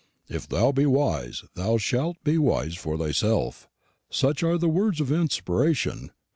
'If thou be wise, thou shalt be wise for thyself;' such are the words of inspiration.